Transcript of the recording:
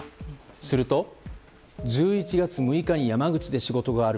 すると、１１月６日に山口で仕事がある。